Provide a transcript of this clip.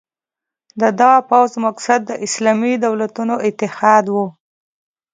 د دغه پوځ مقصد د اسلامي دولتونو اتحاد وو.